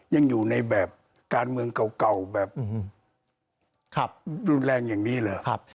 ยังอยู่ในแบบการเมืองเก่าแบบขับรุนแรงอย่างนี้เลย